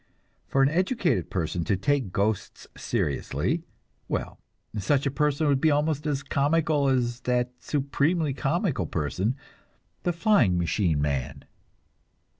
For an educated person to take ghosts seriously well, such a person would be almost as comical as that supremely comical person, the flying machine man.